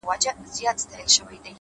نو شاعري څه كوي-